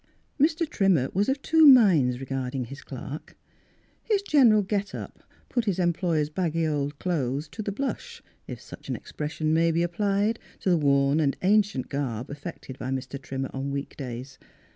Mr. Trimmer was of two minds regard ing his clerk. His general get up put his employer's baggy old clothes to the blush, if such an expression may be applied to the worn and ancient garb affected by Mr. Trimmer on week days.